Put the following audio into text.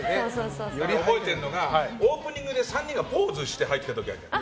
覚えてるのがオープニングで３人がポーズして入ってきた時あるじゃん。